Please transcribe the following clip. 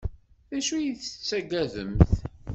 D acu ay tettaggademt?